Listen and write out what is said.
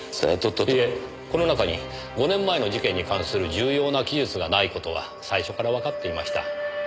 いえこの中に５年前の事件に関する重要な記述がない事は最初からわかっていました。